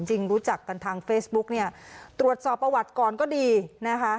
จริงรู้จักกันทางเฟซบุ๊กเนี่ยตรวจสอบประวัติก่อนก็ดีนะคะ